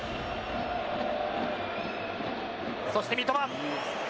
そして三笘。